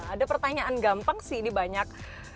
ada pertanyaan gampang sih ini banyak